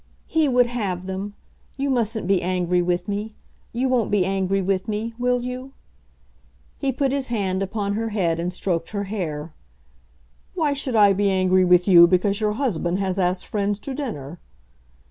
"He would have them. You mustn't be angry with me. You won't be angry with me; will you?" He put his hand upon her head, and stroked her hair. "Why should I be angry with you because your husband has asked friends to dinner?"